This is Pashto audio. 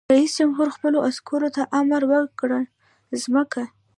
رئیس جمهور خپلو عسکرو ته امر وکړ؛ ځمکه!